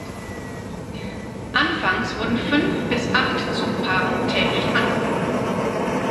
Anfangs wurden fünf bis acht Zugpaaren täglich angeboten.